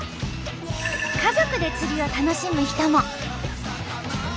家族で釣りを楽しむ人も。